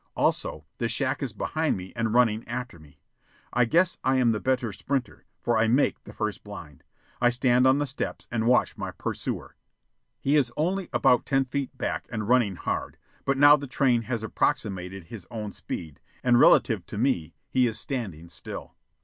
Also, the shack is behind me and running after me. I guess I am the better sprinter, for I make the first blind. I stand on the steps and watch my pursuer. He is only about ten feet back and running hard; but now the train has approximated his own speed, and, relative to me, he is standing still.